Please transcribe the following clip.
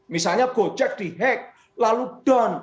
misalnya gojek di hack lalu down